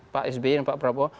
pak sby dan pak prabowo